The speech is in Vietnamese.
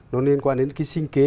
nó liên quan đến cái sinh kế